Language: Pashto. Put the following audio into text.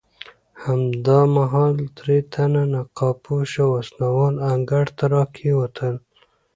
همدا مهال درې تنه نقاب پوشه وسله وال انګړ ته راکېوتل.